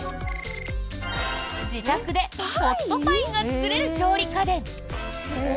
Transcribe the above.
自宅でホットパイが作れる調理家電。